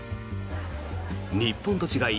日本と違い